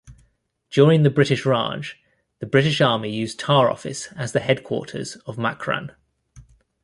During the British Raj, the British Army used Tar-Office as the headquarters of Makran.